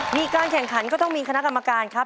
มีการแข่งขันก็ต้องมีคณะกรรมการครับ